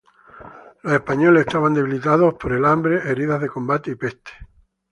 Los españoles estaban debilitados por el hambre, heridas de combate y peste.